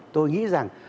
tôi nghĩ rằng